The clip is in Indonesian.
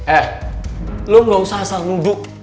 eh lo gausah asal nunduk